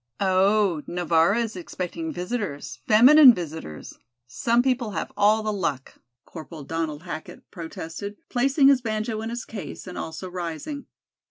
"Oh, Navara is expecting visitors, feminine visitors. Some people have all the luck!" Corporal Donald Hackett protested, placing his banjo in its case and also rising.